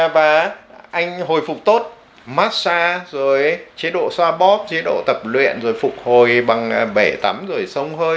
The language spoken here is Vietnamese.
và anh hồi phục tốt massage rồi chế độ xoa bóp chế độ tập luyện rồi phục hồi bằng bể tắm rồi sông hơi